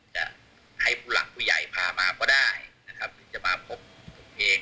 จะให้ผู้หลักผู้ใหญ่พามาก็ได้นะครับหรือจะมาพบผมเอง